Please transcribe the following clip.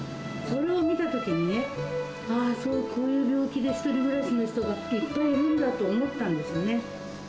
それを見たときにね、ああ、こういう病気で１人暮らしの人がいっぱいいるんだと思ったんですね。